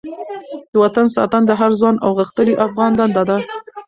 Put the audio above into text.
د وطن ساتنه د هر ځوان او غښتلې افغان دنده ده.